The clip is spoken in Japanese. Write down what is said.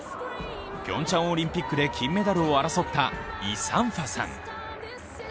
ピョンチャンオリンピックで金メダルを争ったイ・サンファさん。